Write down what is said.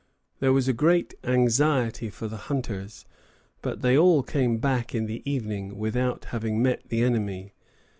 There was great anxiety for the hunters, but they all came back in the evening, without having met the enemy.